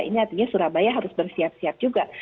ini artinya surabaya harus bersiap siap juga